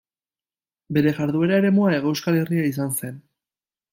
Bere jarduera-eremua Hego Euskal Herria izan zen.